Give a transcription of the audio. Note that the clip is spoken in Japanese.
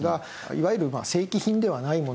いわゆる正規品ではないもの